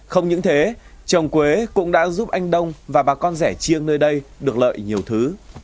không những thế trồng quế cũng đã giúp anh đông và bà con rẻ chiêng nơi đây được lợi nhiều thứ